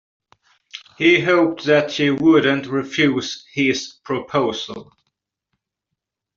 He hoped that she wouldn't refuse his proposal